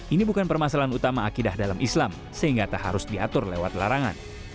ini bukan permasalahan utama akidah dalam islam sehingga tak harus diatur lewat larangan